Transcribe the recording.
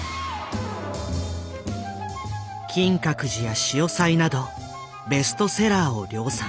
「金閣寺」や「潮騒」などベストセラーを量産。